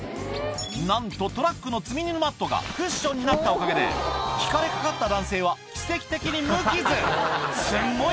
なんとトラックの積み荷のマットがクッションになったおかげでひかれかかった男性は奇跡的に無傷すんごい